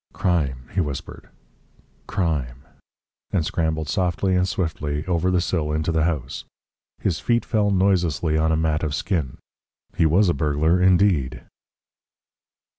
"Crime," he whispered, "crime," and scrambled softly and swiftly over the sill into the house. His feet fell noiselessly on a mat of skin. He was a burglar indeed!